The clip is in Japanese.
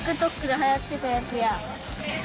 ＴｉｋＴｏｋではやってたやつや。